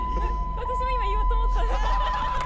私も今言おうと思った